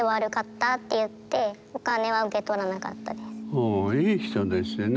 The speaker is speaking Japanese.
ほいい人ですよね。